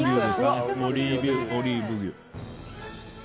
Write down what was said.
オリーブ牛。